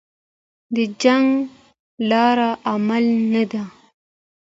د جنګ لاره عملي نه ده